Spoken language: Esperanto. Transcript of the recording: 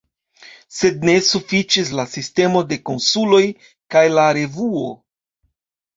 Sed ne sufiĉis la sistemo de konsuloj kaj la revuo.